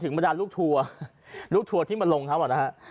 ถึงบรรดาลูกทัวร์ลูกทัวร์ที่มาลงเท่าไหร่นะฮะ